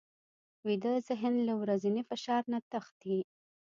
ویده ذهن له ورځني فشار نه تښتي